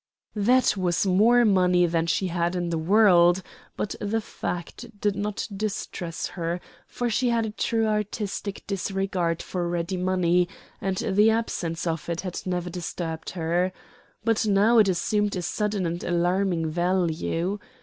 That was more money than she had in the world, but the fact did not distress her, for she had a true artistic disregard for ready money, and the absence of it had never disturbed her. But now it assumed a sudden and alarming value.